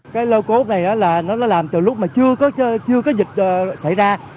cái lô cốt này là nó làm từ lúc mà chưa có dịch xảy ra